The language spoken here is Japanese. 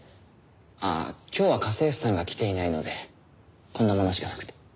ああ今日は家政婦さんが来ていないのでこんなものしかなくて。